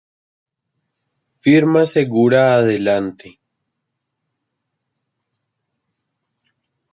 Firma segura adelante